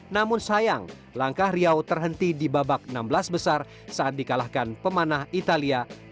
namun sayang langkah riau terhenti di babak enam belas besar saat di kalahkan pemanah italia maura nespoli